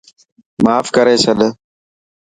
ماف ڪري ڇڏ.